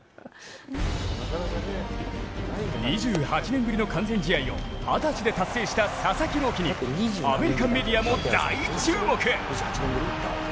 ２８年ぶりの完全試合を二十歳で達成した佐々木朗希にアメリカメディアも大注目。